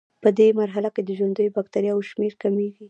پدې مرحله کې د ژوندیو بکټریاوو شمېر کمیږي.